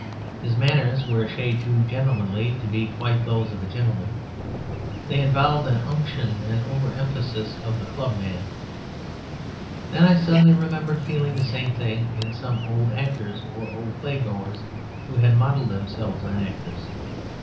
His manners were a shade too gentlemanly to be quite those of a gentleman. They involved an unction and over emphasis of the club man: then I suddenly remembered feeling the same thing in some old actors or old playgoers who had modelled themselves on actors.